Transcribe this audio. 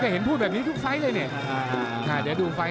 เห็นพูดแบบนี้ทุกไซส์เลยเนี่ย